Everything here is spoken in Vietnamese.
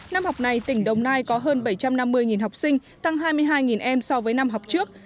năm học này tỉnh đồng nai có hơn bảy trăm năm mươi học sinh tăng hai mươi hai em so với năm học trước